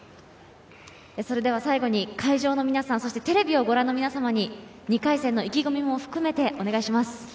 それでは最後に会場の皆さん、そしてテレビをご覧の皆様に２回戦への意気込みも含めてお願いします。